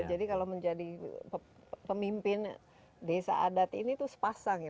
jadi kalau menjadi pemimpin desa adat ini itu sepasang ya